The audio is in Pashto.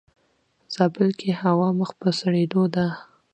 زابل کې هوا مخ پر سړيدو ده.